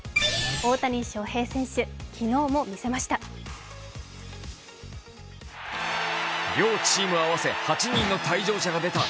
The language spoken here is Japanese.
大谷翔平選手、昨日も見せました。